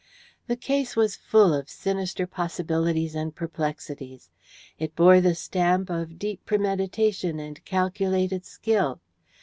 The case was full of sinister possibilities and perplexities. It bore the stamp of deep premeditation and calculated skill.